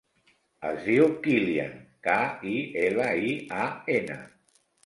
Es diu Kilian: ca, i, ela, i, a, ena.